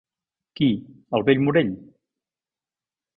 Qui, el vell Morell?